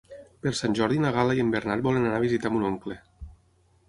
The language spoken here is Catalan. Per Sant Jordi na Gal·la i en Bernat volen anar a visitar mon oncle.